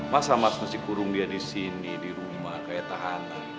masa mas mesti kurung dia di sini di rumah kayak tahanan